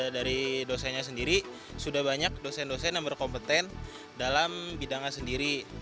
dari dosennya sendiri sudah banyak dosen dosen yang berkompeten dalam bidangnya sendiri